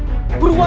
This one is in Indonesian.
tante dewi marah